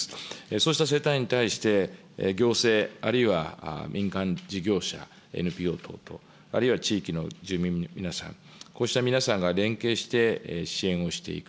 そうした世帯に対して、行政、あるいは民間事業者、ＮＰＯ等々、あるいは地域の住民の皆さん、こうした皆さんが連携して、支援をしていく。